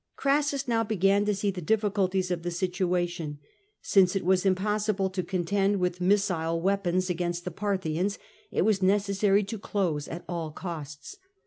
Crassus now began to see the difficulties of the situa tion. Since it was impossible to contend with missile weapons against the Parthians, it was necessary to close at all costs.